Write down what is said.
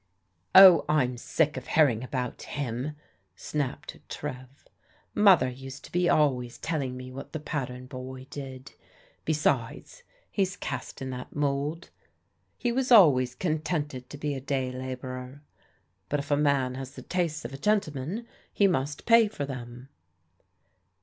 " Oh, I'm sick of hearing about him," snapped Trev. " Mother used to be always telling me what the pattern boy did. Besides, he's cast in that mould. He was al ways contented to be a day labourer, but if a man has the tastes of a gentleman, he must pay for them."